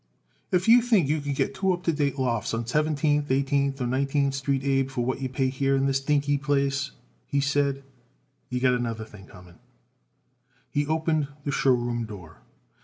"If you think it you could get two up to date lofts on Seventeenth, Eighteenth or Nineteenth Street, Abe, for what you pay it here in this dinky place," he said, "you got another think coming." He opened the show room door.